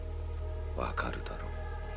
分かるだろう。